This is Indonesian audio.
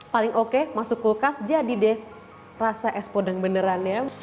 paling oke masuk kulkas jadi deh rasa es podeng benerannya